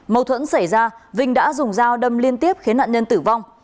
mâu thuẫn xảy ra vinh đã dùng dao đâm liên tiếp khiến nạn nhân tử vong